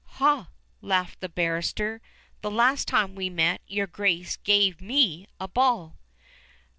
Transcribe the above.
"Hah," laughed the barrister, "the last time we met, your Grace gave me a ball."